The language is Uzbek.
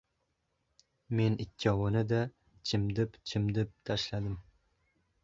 Men ikkovini-da chimdib-chimdib tashladim.